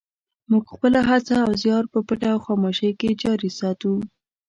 موږ خپله هڅه او زیار په پټه او خاموشۍ کې جاري ساتو.